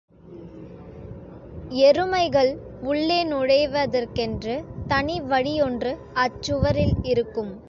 எருமைகள் உள்ளே நுழைவதற்கென்று தனி வழியொன்று அச்சுவரில் இருக்கும்.